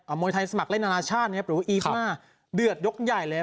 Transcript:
มวยไทยสมัครเล่นนานาชาตินะครับหรือว่าอีฟ่าเดือดยกใหญ่เลย